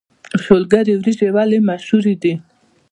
شولګرې وريجې ولې مشهورې دي؟